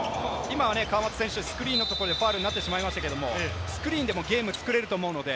今は川真田選手、スリーのところでファウルになってしまいましたけれども、スクリーンでもゲーム作れると思うので、